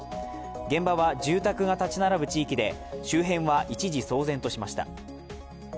現場は住宅が建ち並ぶ地域で、周辺は一時騒然としました。